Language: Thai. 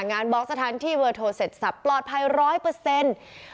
บล็อกสถานที่เวอร์โทรเสร็จสับปลอดภัยร้อยเปอร์เซ็นต์